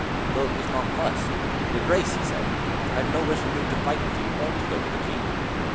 Philip was nonplussed. "Your grace," he said, "I have no wish either to fight with you or to go to the King."